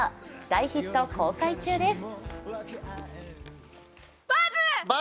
大ヒット公開中です。